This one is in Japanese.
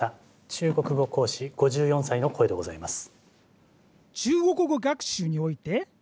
中国語講師５４歳の声でございます。